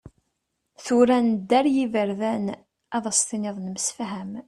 Tura, nedda ar yiberdan, Ad as-tiniḍ nemsefham.